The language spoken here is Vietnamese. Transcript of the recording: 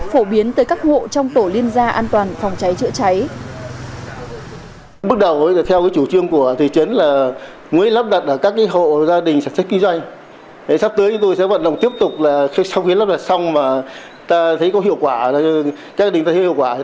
phổ biến tới các hộ trong tổ liên gia an toàn phòng cháy chữa cháy